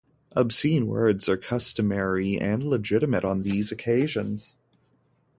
Obscene words are customary and legitimate on these occasions.